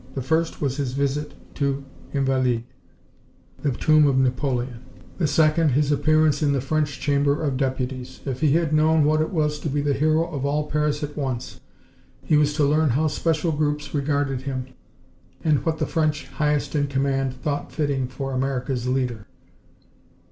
The first was his visit to des Invalides, the tomb of Napoleon; the second, his appearance in the French Chamber of Deputies. If he had known what it was to be the hero of all Paris at once, he was to learn how special groups regarded him, and what the French highest in command thought fitting for America's leader.